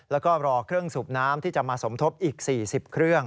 แล้วก็รอเครื่องสูบน้ำที่จะมาสมทบอีก๔๐เครื่อง